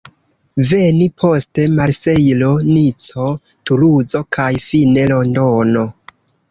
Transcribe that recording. Veni poste, Marsejlo, Nico, Tuluzo kaj fine Londono.